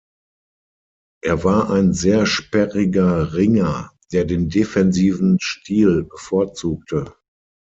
Er war ein sehr sperriger Ringer, der den defensiven Stil bevorzugte.